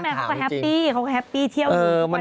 แม่ของแฮปปปี้เขาก็แฮปปี้เที่ยวดี